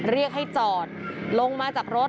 เรียกให้จอดลงมาจากรถ